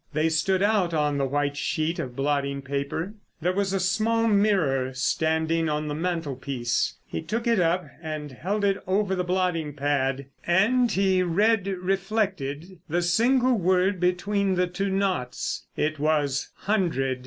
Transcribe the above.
They stood out on the white sheet of blotting paper. There was a small mirror standing on the mantel piece. He took it up and held it over the blotting pad. And he read reflected the single word between the two naughts. It was "hundred."